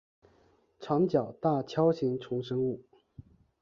长角大锹形虫生物。